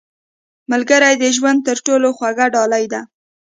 • ملګری د ژوند تر ټولو خوږه ډالۍ ده.